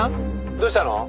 「どうしたの？」